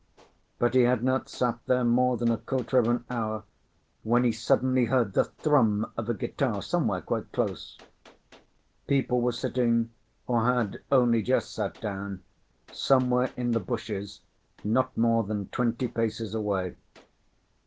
But he had not sat there more than a quarter of an hour, when he suddenly heard the thrum of a guitar somewhere quite close. People were sitting, or had only just sat down, somewhere in the bushes not more than twenty paces away.